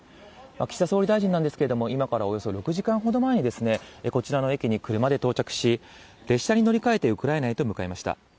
岸田総理大臣なんですけれども、今からおよそ６時間ほど前に、こちらの駅に車で到着し、列車に乗り換えてウクライナへと向かいました。